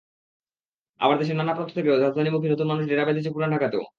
আবার দেশের নানা প্রান্ত থেকে রাজধানীমুখী নতুন মানুষ ডেরা বেঁধেছে পুরান ঢাকাতেও।